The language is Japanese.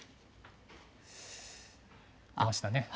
出ましたね。